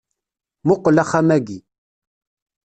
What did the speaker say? Muqel axxam-agi